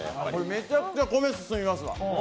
めちゃくちゃ米進みますわ。